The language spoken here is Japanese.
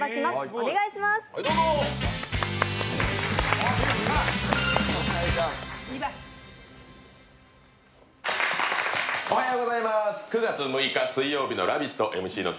おはようございます９月６日水曜日の「ラヴィット！」